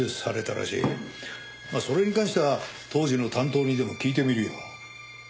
まあそれに関しては当時の担当にでも聞いてみるよ。